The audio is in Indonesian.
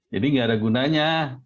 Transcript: jadi nggak ada gunanya